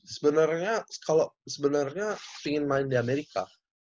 sebenarnya kalau sebenarnya ingin main di amerika